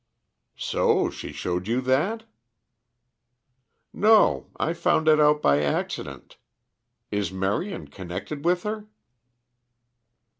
"So she showed you that!" "No, I found it out by accident. Is Marion connected with her?"